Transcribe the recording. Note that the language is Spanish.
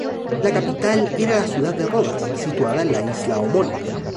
La capital era la ciudad de Rodas, situada en la isla homónima.